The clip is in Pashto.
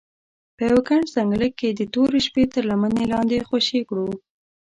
په یوه ګڼ ځنګله کې یې د تورې شپې تر لمنې لاندې خوشې کړو.